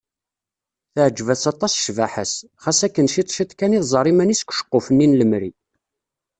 Teɛǧeb-as aṭas cbaḥa-s, xas akken ciṭ ciṭ kan i tẓerr iman-is deg uceqquf-nni n lemri.